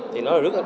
thì nó là rất là